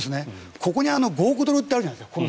ここに５億ドルってあるじゃないですか。